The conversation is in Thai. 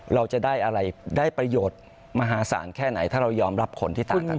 เราจะได้อะไรได้ประโยชน์มหาศาลแค่ไหนถ้าเรายอมรับผลที่ต่างกัน